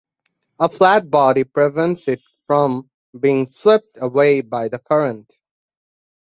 A flat body prevents it from being swept away by the current.